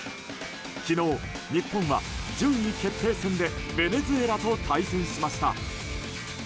昨日、日本は順位決定戦でベネズエラと対戦しました。